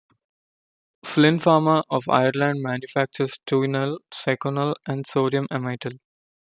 Flynn Pharma of Ireland manufactures Tuinal, Seconal and sodium amytal.